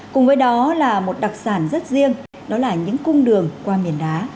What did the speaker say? cùng với đó là một đặc sản rất riêng đó là những cung đường qua miền đá